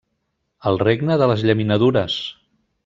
El regne de les llaminadures!